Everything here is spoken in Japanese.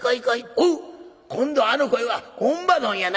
「おっ今度はあの声は乳母どんやな。